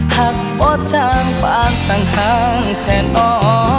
หักบ่จางฝากสังหางแทนออก